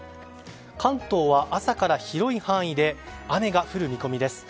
関東は朝から広い範囲で雨が降る見込みです。